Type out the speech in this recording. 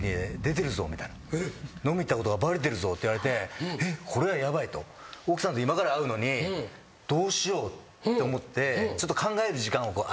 「飲み行ったことがバレてるぞ」って言われて「えっ？これはヤバい」と。奥さんと今から会うのにどうしようって思ってちょっと考える時間を与えてくれたんですよ